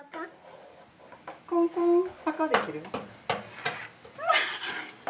「コンコンパカ」できる？